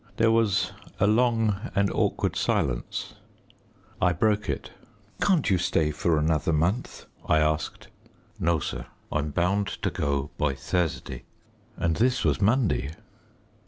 There was a long and awkward silence. I broke it. "Can't you stay for another month?" I asked. "No, sir. I'm bound to go by Thursday." And this was Monday!